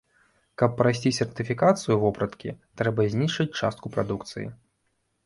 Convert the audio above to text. Каб прайсці сертыфікацыю вопраткі, трэба знішчыць частку прадукцыі.